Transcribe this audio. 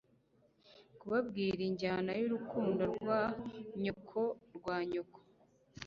Kubabwira injyana yurukundo rwa nyoko rwa nyoko